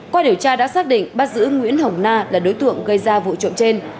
qua điều tra đã xác định bắt giữ nguyễn hồng na là đối tượng gây ra vụ trộm trên